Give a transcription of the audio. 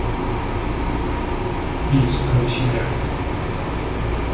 He is Polish American.